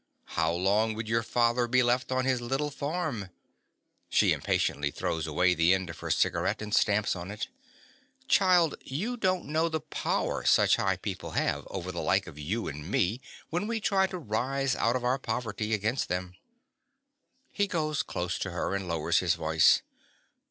How long would your father be left on his little farm? (She impatiently throws away the end of her cigaret, and stamps on it.) Child, you don't know the power such high people have over the like of you and me when we try to rise out of our poverty against them. (_He goes close to her and lowers his voice.